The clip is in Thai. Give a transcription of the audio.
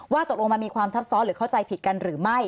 ตกลงมันมีความทับซ้อนหรือเข้าใจผิดกันหรือไม่